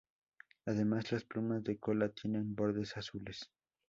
Además las plumas de cola tienen bordes azules.